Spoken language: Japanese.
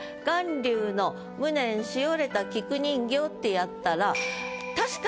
「巌流の無念しおれた菊人形」ってやったら。